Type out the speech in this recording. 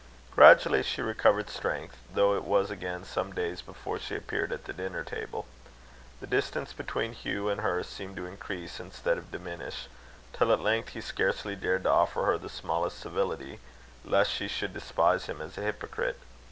Gradually she recovered strength, though it was again some days before she appeared at the dinner table. The distance between Hugh and her seemed to increase instead of diminish, till at length he scarcely dared to offer her the smallest civility, lest she should despise him as a hypocrite.